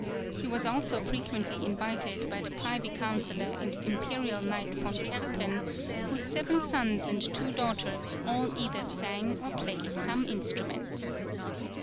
He was also frequently invited by the Privy Councillor and Imperial Knight von Kerpen, whose seven sons and two daughters all either sang or played some instrument.